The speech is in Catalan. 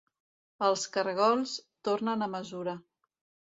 Els caragols tornen a mesura.